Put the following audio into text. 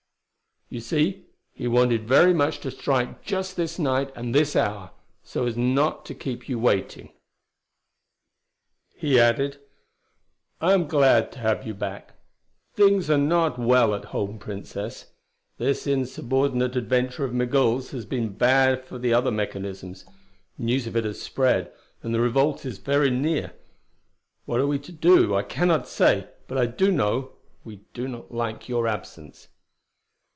You see, he wanted very much to strike just this night and this hour, so as not to keep you waiting." He added, "I am glad to have you back. Things are not well at home, Princess. This insubordinate adventure of Migul's has been bad for the other mechanisms. News of it has spread, and the revolt is very near. What we are to do I cannot say, but I do know we did not like your absence."